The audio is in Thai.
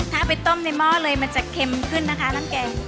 ถ้าไปต้มในหม้อเลยมันจะเค็มขึ้นนะคะน้ำแกง